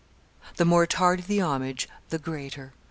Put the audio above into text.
The more tardy the homage, the greater.